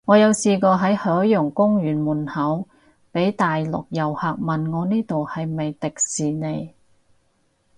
我有試過喺海洋公園門口，被大陸遊客問我呢度係咪迪士尼